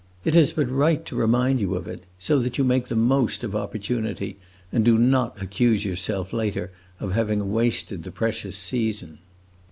It is but right to remind you of it, so that you make the most of opportunity and do not accuse yourself, later, of having wasted the precious season."